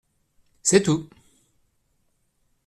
C’est tout.